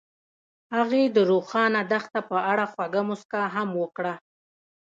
هغې د روښانه دښته په اړه خوږه موسکا هم وکړه.